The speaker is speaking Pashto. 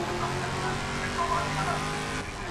خدای راکړي نعمتونه پرېمانۍ وې !.